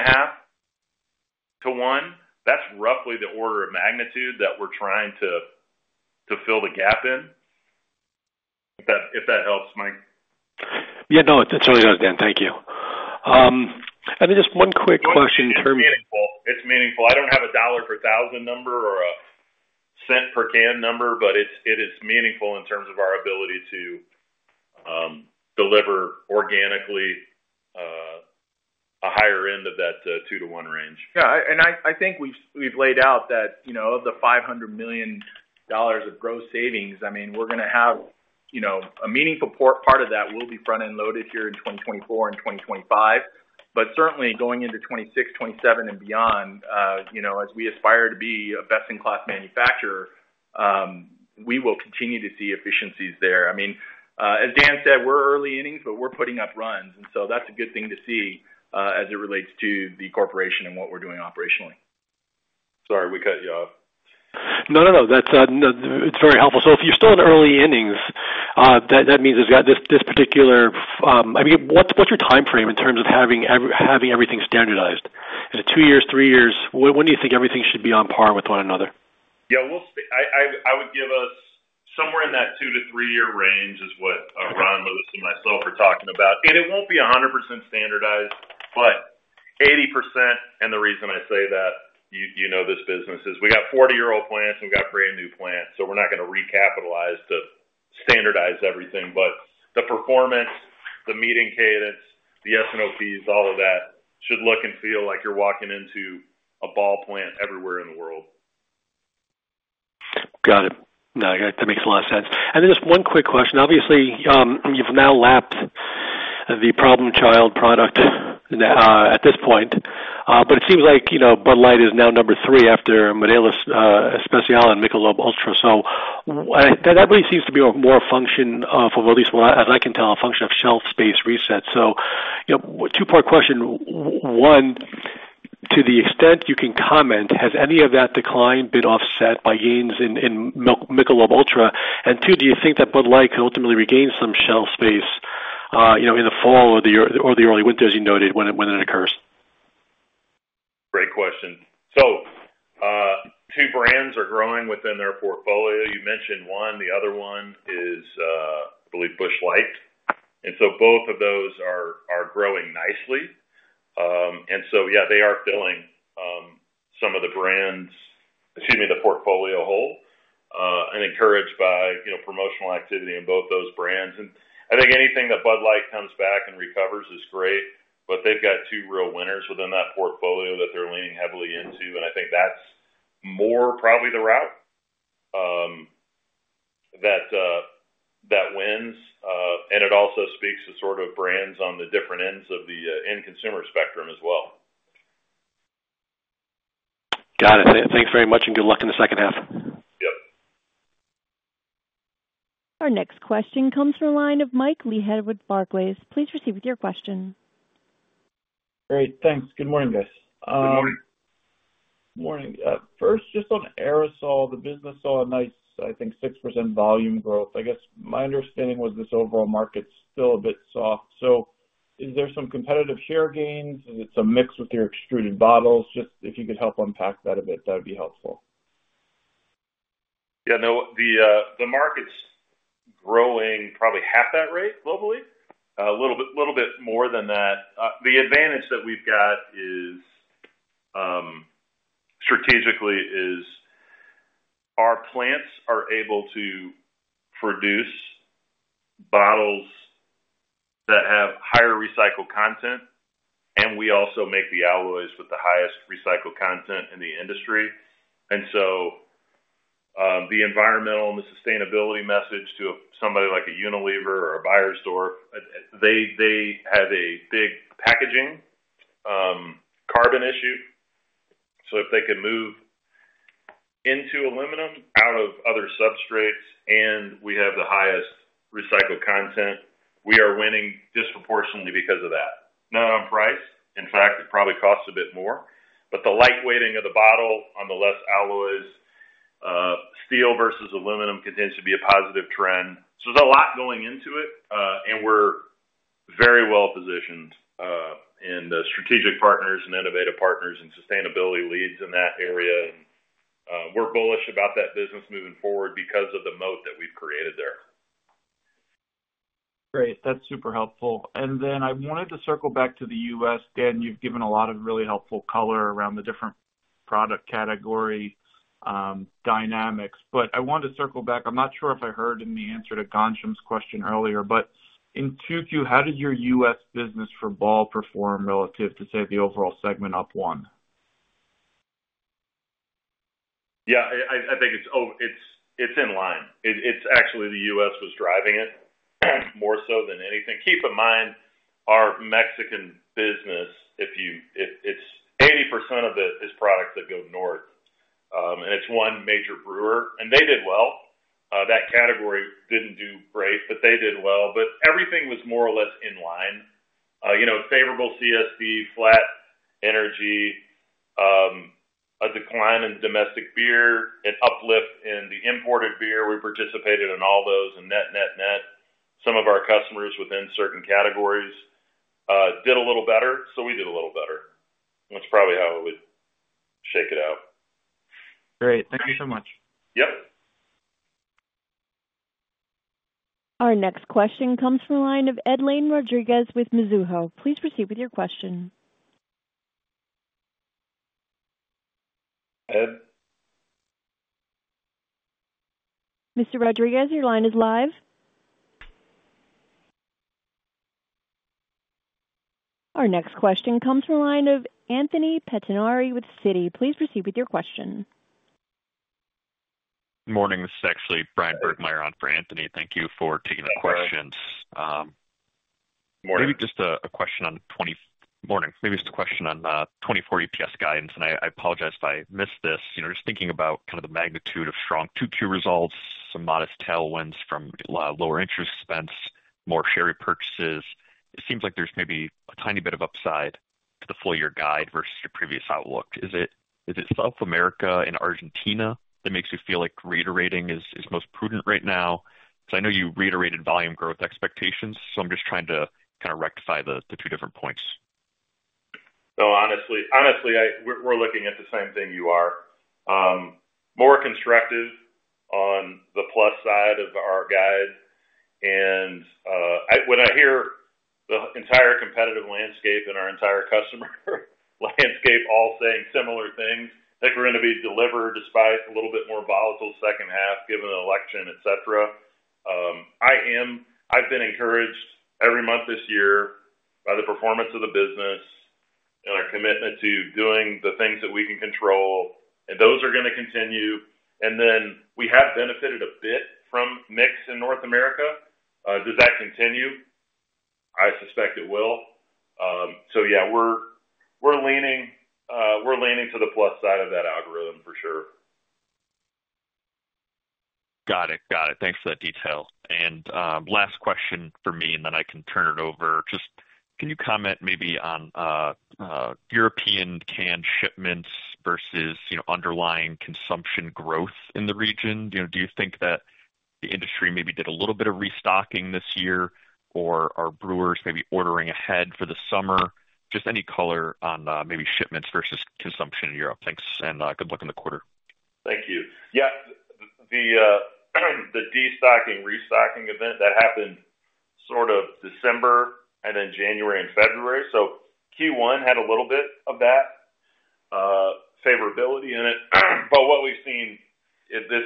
that's roughly the order of magnitude that we're trying to fill the gap in, if that helps, Mike. Yeah, no, that's really good, Dan. Thank you. And then just one quick question in terms of. It's meaningful. It's meaningful. I don't have a dollar per thousand number or a cent per can number, but it is meaningful in terms of our ability to deliver organically a higher end of that two to one range. Yeah. And I think we've laid out that of the $500 million of gross savings, I mean, we're going to have a meaningful part of that will be front-end loaded here in 2024 and 2025. But certainly, going into 2026, 2027, and beyond, as we aspire to be a best-in-class manufacturer, we will continue to see efficiencies there. I mean, as Dan said, we're early innings, but we're putting up runs. And so that's a good thing to see as it relates to the corporation and what we're doing operationally. Sorry, we cut you off. No, no, no. It's very helpful. So if you're still in early innings, that means we've got this particular I mean, what's your time frame in terms of having everything standardized? Is it two years, thre years? When do you think everything should be on par with one another? Yeah, I would give us somewhere in that 2-3-year range is what Ron Lewis and myself are talking about. And it won't be 100% standardized, but 80%. And the reason I say that, you know this business is we got 40-year-old plants, and we got brand new plants. So we're not going to recapitalize to standardize everything. But the performance, the meeting cadence, the S&OPs, all of that should look and feel like you're walking into a Ball plant everywhere in the world. Got it. That makes a lot of sense. And then just one quick question. Obviously, you've now lapped the problem child product at this point, but it seems like Bud Light is now number three after Modelo Especial and Michelob Ultra. So that really seems to be more a function of, at least as I can tell, a function of shelf space reset. So two-part question. One, to the extent you can comment, has any of that decline been offset by gains in Michelob Ultra? And two, do you think that Bud Light could ultimately regain some shelf space in the fall or the early winter, as you noted, when it occurs? Great question. So two brands are growing within their portfolio. You mentioned one. The other one is, I believe, Busch Light. And so both of those are growing nicely. And so, yeah, they are filling some of the brands, excuse me, the portfolio hole and encouraged by promotional activity in both those brands. And I think anything that Bud Light comes back and recovers is great. But they've got two real winners within that portfolio that they're leaning heavily into. And I think that's more probably the route that wins. And it also speaks to sort of brands on the different ends of the end consumer spectrum as well. Got it. Thanks very much. Good luck in the second half. Yep. Our next question comes from the line of Mike Leithead with Barclays. Please proceed with your question. Great. Thanks. Good morning, guys. Good morning. Good morning. First, just on aerosol, the business saw a nice, I think, 6% volume growth. I guess my understanding was this overall market's still a bit soft. So is there some competitive share gains? Is it some mix with your extruded bottles? Just if you could help unpack that a bit, that would be helpful. Yeah. No, the market's growing probably half that rate globally, a little bit more than that. The advantage that we've got strategically is our plants are able to produce bottles that have higher recycled content. And we also make the alloys with the highest recycled content in the industry. And so the environmental and the sustainability message to somebody like a Unilever or a Beiersdorf, they have a big packaging carbon issue. So if they could move into aluminum out of other substrates and we have the highest recycled content, we are winning disproportionately because of that. Not on price. In fact, it probably costs a bit more. But the light weighting of the bottle on the less alloys, steel versus aluminum continues to be a positive trend. So there's a lot going into it. We're very well positioned in strategic partners and innovative partners and sustainability leads in that area. And we're bullish about that business moving forward because of the moat that we've created there. Great. That's super helpful. And then I wanted to circle back to the U.S. Dan, you've given a lot of really helpful color around the different product category dynamics. But I wanted to circle back. I'm not sure if I heard in the answer to Ghansham's question earlier, but in 2Q, how did your U.S. business for Ball perform relative to, say, the overall segment up 1%? Yeah, I think it's in line. It's actually the U.S. was driving it more so than anything. Keep in mind our Mexican business, 80% of it is products that go north. And it's one major brewer. And they did well. That category didn't do great, but they did well. But everything was more or less in line. Favorable CSD, flat energy, a decline in domestic beer, an uplift in the imported beer. We participated in all those and net, net, net. Some of our customers within certain categories did a little better. So we did a little better. That's probably how I would shake it out. Great. Thank you so much. Yep. Our next question comes from the line of Edlain Rodriguez with Mizuho. Please proceed with your question. Ed? Mr. Rodriguez, your line is live. Our next question comes from the line of Anthony Pettinari with Citi. Please proceed with your question. Morning. This is actually Bryan Burgmeier on for Anthony. Thank you for taking the questions. Morning. Maybe just a question on margin. Maybe just a question on 2024 EPS guidance. And I apologize if I missed this. Just thinking about kind of the magnitude of strong 2Q results, some modest tailwinds from lower interest expense, more share purchases. It seems like there's maybe a tiny bit of upside to the full year guide versus your previous outlook. Is it South America and Argentina that makes you feel like reiterating is most prudent right now? Because I know you reiterated volume growth expectations. So I'm just trying to kind of rectify the two different points. No, honestly, we're looking at the same thing you are. More constructive on the plus side of our guide. And when I hear the entire competitive landscape and our entire customer landscape all saying similar things, I think we're going to be delivered despite a little bit more volatile second half, given the election, etc. I've been encouraged every month this year by the performance of the business and our commitment to doing the things that we can control. And those are going to continue. And then we have benefited a bit from mix in North America. Does that continue? I suspect it will. So yeah, we're leaning to the plus side of that algorithm for sure. Got it. Got it. Thanks for that detail. And last question for me, and then I can turn it over. Just can you comment maybe on European can shipments versus underlying consumption growth in the region? Do you think that the industry maybe did a little bit of restocking this year, or are brewers maybe ordering ahead for the summer? Just any color on maybe shipments versus consumption in Europe. Thanks. And good luck in the quarter. Thank you. Yeah. The destocking, restocking event that happened sort of December and then January and February. So Q1 had a little bit of that favorability in it. But what we've seen, this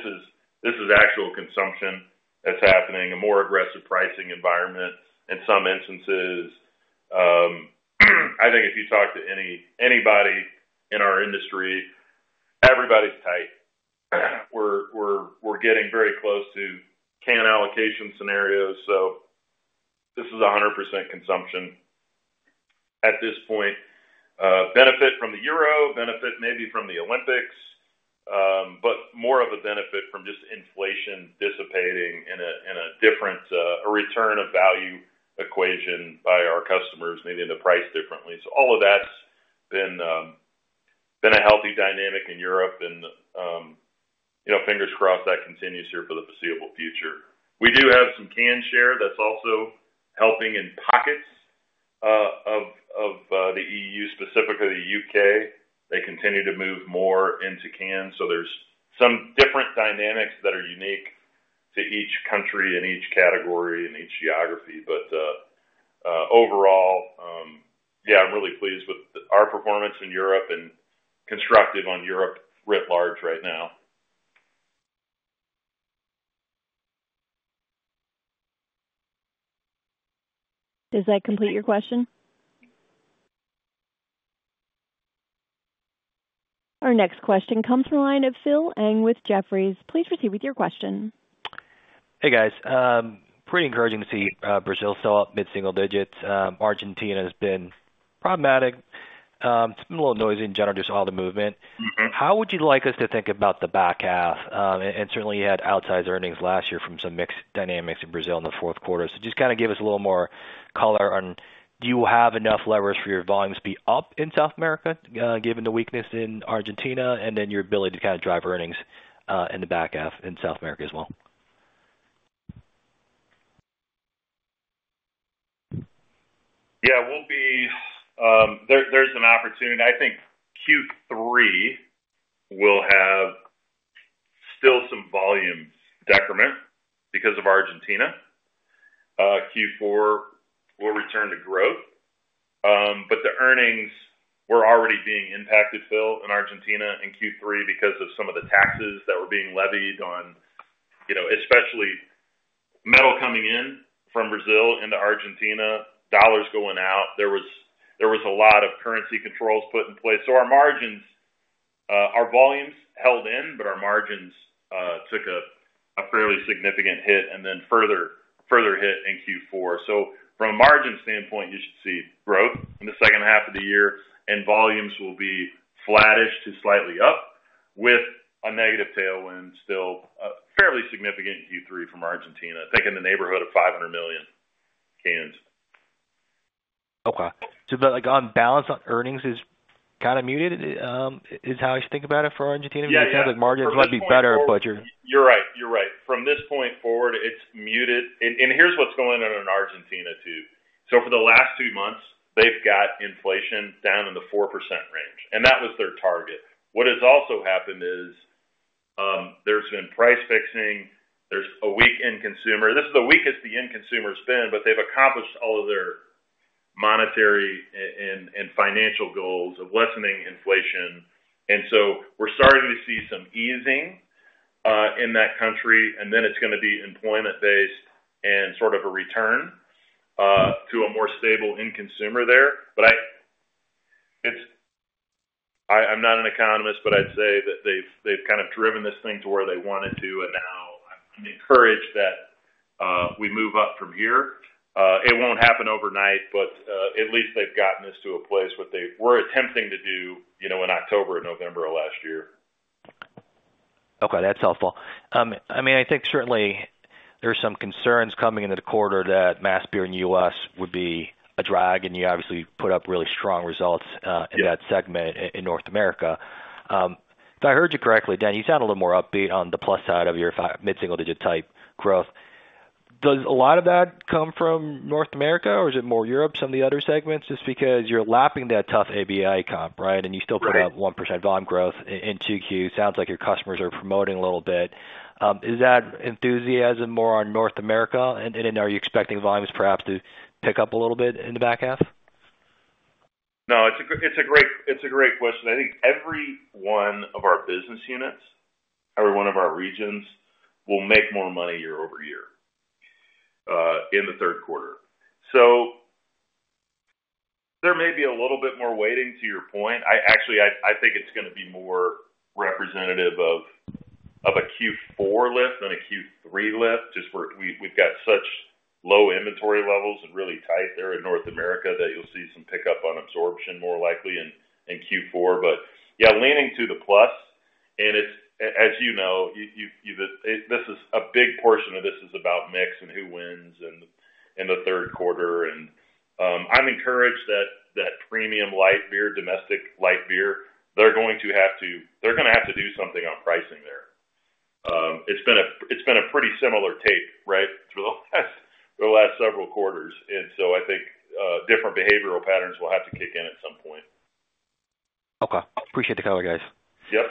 is actual consumption that's happening, a more aggressive pricing environment in some instances. I think if you talk to anybody in our industry, everybody's tight. We're getting very close to can allocation scenarios. So this is 100% consumption at this point. Benefit from the Euro, benefit maybe from the Olympics, but more of a benefit from just inflation dissipating in a different return of value equation by our customers, maybe in the price differently. So all of that's been a healthy dynamic in Europe. And fingers crossed that continues here for the foreseeable future. We do have some can share that's also helping in pockets of the EU, specifically the U.K. They continue to move more into cans. So there's some different dynamics that are unique to each country and each category and each geography. But overall, yeah, I'm really pleased with our performance in Europe and constructive on Europe writ large right now. Does that complete your question? Our next question comes from the line of Phil Ng with Jefferies. Please proceed with your question. Hey, guys. Pretty encouraging to see Brazil sell out mid-single digits. Argentina has been problematic. It's been a little noisy in general, just all the movement. How would you like us to think about the back half? And certainly, you had outsized earnings last year from some mixed dynamics in Brazil in the fourth quarter. So just kind of give us a little more color on do you have enough levers for your volumes to be up in South America given the weakness in Argentina and then your ability to kind of drive earnings in the back half in South America as well? Yeah. There's an opportunity. I think Q3 will have still some volume decrement because of Argentina. Q4 will return to growth. But the earnings were already being impacted, Phil, in Argentina in Q3 because of some of the taxes that were being levied on, especially metal coming in from Brazil into Argentina, dollars going out. There was a lot of currency controls put in place. So our volumes held in, but our margins took a fairly significant hit and then further hit in Q4. So from a margin standpoint, you should see growth in the second half of the year. And volumes will be flattish to slightly up with a negative tailwind still fairly significant in Q3 from Argentina, thinking in the neighborhood of 500 million cans. Okay. So the balance on earnings is kind of muted is how I should think about it for Argentina? It sounds like margins might be better, but you're. You're right. You're right. From this point forward, it's muted. And here's what's going on in Argentina too. So for the last two months, they've got inflation down in the 4% range. And that was their target. What has also happened is there's been price fixing. There's a weak end consumer. This is the weakest the end consumer has been, but they've accomplished all of their monetary and financial goals of lessening inflation. And so we're starting to see some easing in that country. And then it's going to be employment-based and sort of a return to a more stable end consumer there. But I'm not an economist, but I'd say that they've kind of driven this thing to where they want it to. And now I'm encouraged that we move up from here. It won't happen overnight, but at least they've gotten us to a place what they were attempting to do in October and November of last year. Okay. That's helpful. I mean, I think certainly there's some concerns coming into the quarter that mass beer in the U.S. would be a drag. And you obviously put up really strong results in that segment in North America. If I heard you correctly, Dan, you sound a little more upbeat on the plus side of your mid-single-digit-type growth. Does a lot of that come from North America, or is it more Europe, some of the other segments? Just because you're lapping that tough ABI comp, right? And you still put up 1% volume growth in 2Q. Sounds like your customers are promoting a little bit. Is that enthusiasm more on North America? And then are you expecting volumes perhaps to pick up a little bit in the back half? No, it's a great question. I think every one of our business units, every one of our regions will make more money year-over-year in the third quarter. So there may be a little bit more waiting to your point. Actually, I think it's going to be more representative of a Q4 lift than a Q3 lift, just where we've got such low inventory levels and really tight there in North America that you'll see some pickup on absorption more likely in Q4. But yeah, leaning to the plus. And as you know, this is a big portion of this is about mix and who wins in the third quarter. And I'm encouraged that premium light beer, domestic light beer, they're going to have to they're going to have to do something on pricing there. It's been a pretty similar take, right, through the last several quarters. I think different behavioral patterns will have to kick in at some point. Okay. Appreciate the color, guys. Yep.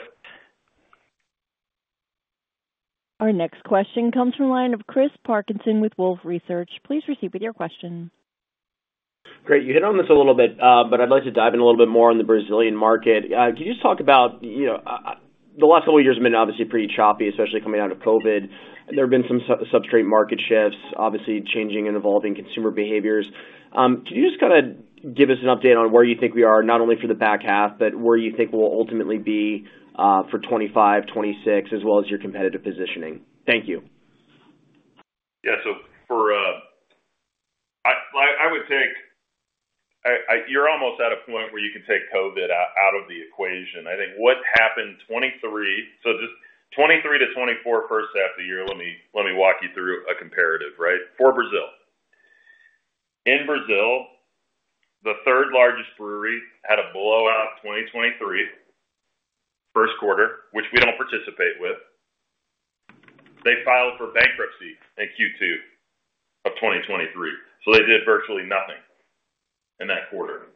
Our next question comes from the line of Chris Parkinson with Wolfe Research. Please proceed with your question. Great. You hit on this a little bit, but I'd like to dive in a little bit more on the Brazilian market. Can you just talk about the last couple of years have been obviously pretty choppy, especially coming out of COVID. There have been some substrate market shifts, obviously changing and evolving consumer behaviors. Can you just kind of give us an update on where you think we are, not only for the back half, but where you think we'll ultimately be for 2025, 2026, as well as your competitive positioning? Thank you. Yeah. So I would take you're almost at a point where you can take COVID out of the equation. I think what happened 2023, so just 2023 to 2024 first half of the year, let me walk you through a comparative, right, for Brazil. In Brazil, the third largest brewery had a blowout 2023 first quarter, which we don't participate with. They filed for bankruptcy in Q2 of 2023. So they did virtually nothing in that quarter.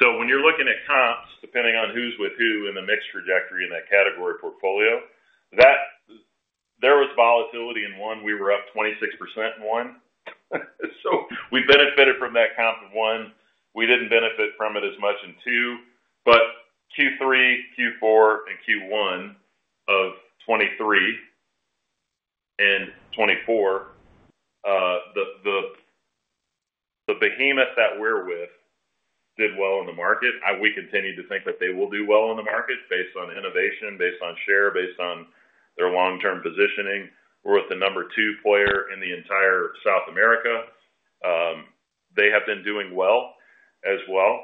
So when you're looking at comps, depending on who's with who in the mixed trajectory in that category portfolio, there was volatility in one. We were up 26% in one. So we benefited from that comp in one. We didn't benefit from it as much in two. But Q3, Q4, and Q1 of 2023 and 2024, the behemoth that we're with did well in the market. We continue to think that they will do well in the market based on innovation, based on share, based on their long-term positioning. We're with the number two player in the entire South America. They have been doing well as well.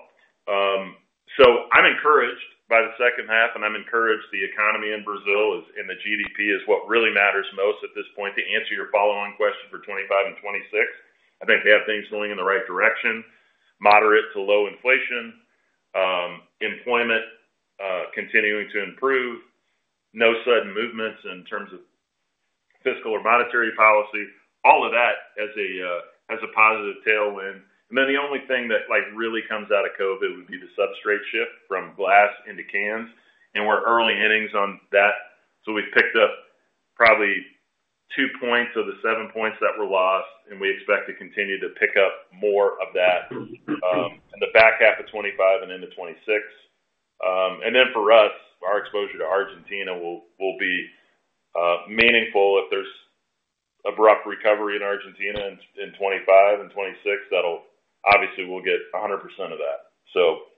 So I'm encouraged by the second half, and I'm encouraged the economy in Brazil and the GDP is what really matters most at this point to answer your follow-on question for 2025 and 2026. I think they have things going in the right direction. Moderate to low inflation, employment continuing to improve, no sudden movements in terms of fiscal or monetary policy. All of that has a positive tailwind. And then the only thing that really comes out of COVID would be the substrate shift from glass into cans. And we're early innings on that. We've picked up probably two points of the seven points that were lost, and we expect to continue to pick up more of that in the back half of 2025 and into 2026. And then for us, our exposure to Argentina will be meaningful if there's abrupt recovery in Argentina in 2025 and 2026. Obviously, we'll get 100% of that. So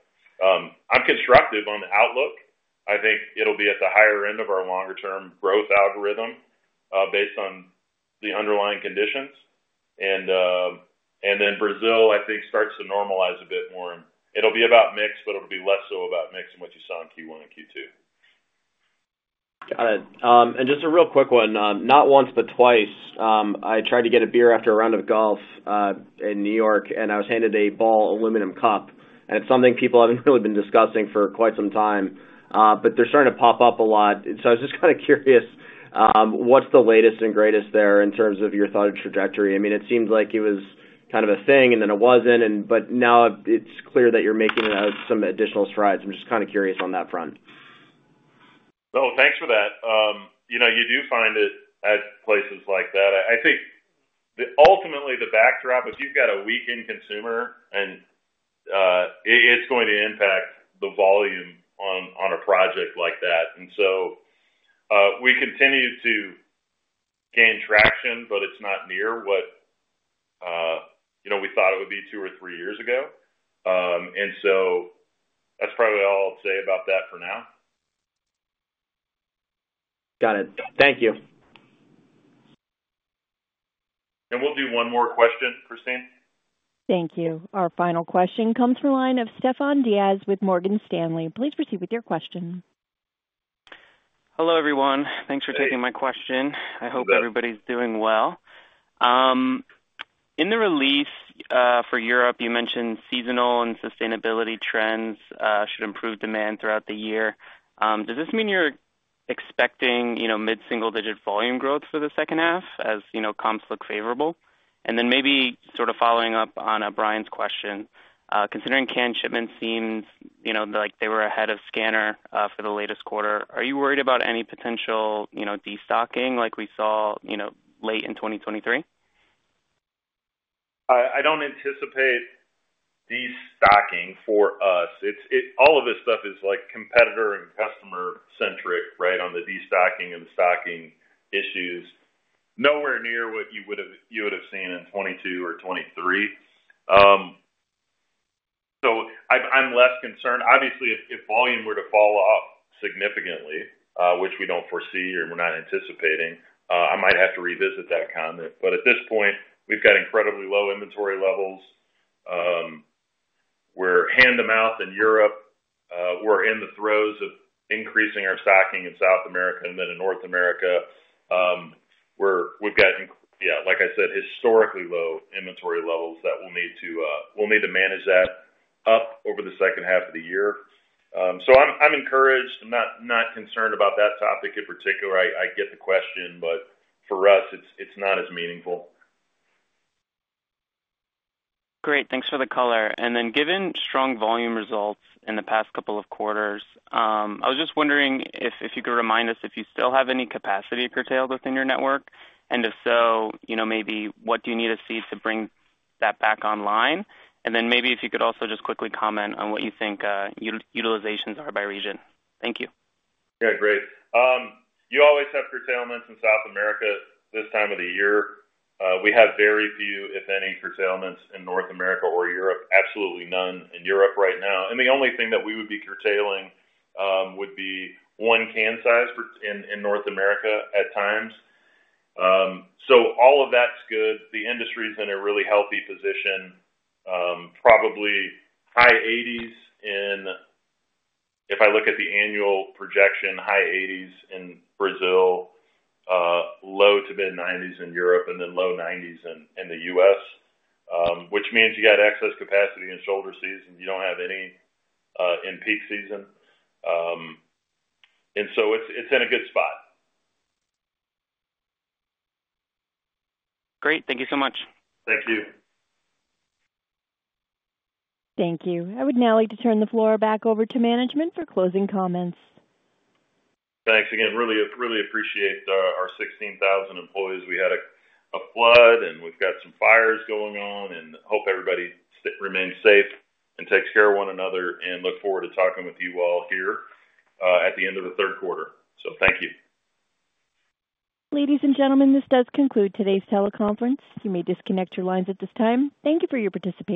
I'm constructive on the outlook. I think it'll be at the higher end of our longer-term growth algorithm based on the underlying conditions. And then Brazil, I think, starts to normalize a bit more. And it'll be about mix, but it'll be less so about mix than what you saw in Q1 and Q2. Got it. And just a real quick one. Not once, but twice, I tried to get a beer after a round of golf in New York, and I was handed a Ball Aluminum Cup. And it's something people haven't really been discussing for quite some time, but they're starting to pop up a lot. So I was just kind of curious, what's the latest and greatest there in terms of your thought of trajectory? I mean, it seems like it was kind of a thing, and then it wasn't. But now it's clear that you're making some additional strides. I'm just kind of curious on that front. Well, thanks for that. You do find it at places like that. I think ultimately, the backdrop, if you've got a weak end consumer, it's going to impact the volume on a project like that. And so we continue to gain traction, but it's not near what we thought it would be two or three years ago. And so that's probably all I'll say about that for now. Got it. Thank you. We'll do one more question, Christine. Thank you. Our final question comes from the line of Stefan Diaz with Morgan Stanley. Please proceed with your question. Hello, everyone. Thanks for taking my question. I hope everybody's doing well. In the release for Europe, you mentioned seasonal and sustainability trends should improve demand throughout the year. Does this mean you're expecting mid-single digit volume growth for the second half as comps look favorable? And then maybe sort of following up on Bryan's question, considering canned shipments seemed like they were ahead of scanners for the latest quarter, are you worried about any potential destocking like we saw late in 2023? I don't anticipate destocking for us. All of this stuff is competitor and customer-centric, right, on the destocking and the stocking issues. Nowhere near what you would have seen in 2022 or 2023. So I'm less concerned. Obviously, if volume were to fall off significantly, which we don't foresee or we're not anticipating, I might have to revisit that comment. But at this point, we've got incredibly low inventory levels. We're hand-to-mouth in Europe. We're in the throes of increasing our stocking in South America and then in North America. We've got, yeah, like I said, historically low inventory levels that we'll need to manage that up over the second half of the year. So I'm encouraged. I'm not concerned about that topic in particular. I get the question, but for us, it's not as meaningful. Great. Thanks for the color. And then given strong volume results in the past couple of quarters, I was just wondering if you could remind us if you still have any capacity curtailed within your network. And if so, maybe what do you need to see to bring that back online? And then maybe if you could also just quickly comment on what you think utilizations are by region. Thank you. Yeah, great. You always have curtailments in South America this time of the year. We have very few, if any, curtailments in North America or Europe. Absolutely none in Europe right now. And the only thing that we would be curtailing would be one can size in North America at times. So all of that's good. The industry is in a really healthy position, probably high 80s in, if I look at the annual projection, high 80s in Brazil, low to mid-90s in Europe, and then low 90s in the U.S., which means you got excess capacity in shoulder season. You don't have any in peak season. And so it's in a good spot. Great. Thank you so much. Thank you. Thank you. I would now like to turn the floor back over to management for closing comments. Thanks again. Really appreciate our 16,000 employees. We had a flood, and we've got some fires going on, and hope everybody remains safe and takes care of one another and look forward to talking with you all here at the end of the third quarter. So thank you. Ladies and gentlemen, this does conclude today's teleconference. You may disconnect your lines at this time. Thank you for your participation.